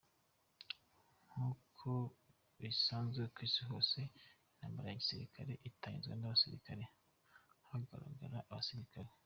Nk’uko bisazwe ku isi hose, intambara ya gisirikare, itangizwa n’abasirikare, hagatabara abasirikare.